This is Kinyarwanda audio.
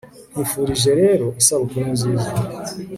nkwifurije rero isabukuru nziza